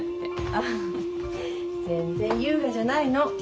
ああ全然優雅じゃないの。